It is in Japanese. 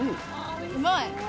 うまい。